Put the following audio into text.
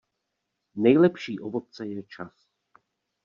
Nejlepší ovoce je čas.